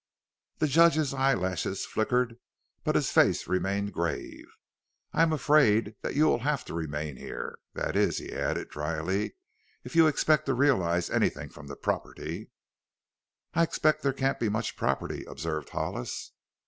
The judge's eyelashes flickered, but his face remained grave. "I am afraid that you will have to remain here. That is" he added dryly "if you expect to realize anything from the property." "I expect there can't be much property," observed Hollis.